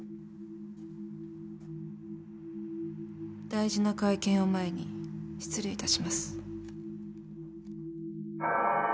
大事な会見を前に失礼いたします。